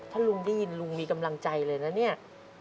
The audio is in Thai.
ถ้าลุงได้ยินลุงมีกำลังใจเลยนะเนี่ย